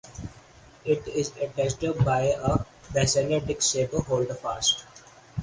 It is attached by a basal disc-shaped holdfast.